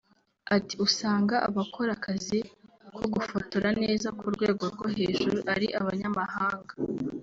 Ati “Usanga abakora akazi ko gufotora neza ku rwego rwo hejuru ari abanyamahanga